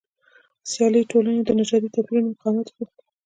سیالي ټولنه د نژادي توپیرونو مقاومت وښود.